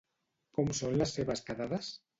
Com són les seves quedades?